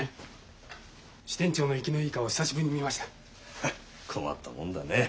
フッ困ったもんだね。